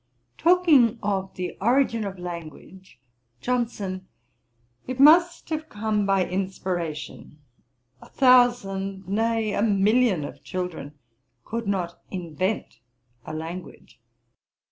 Talking of the origin of language; JOHNSON. 'It must have come by inspiration. A thousand, nay, a million of children could not invent a language.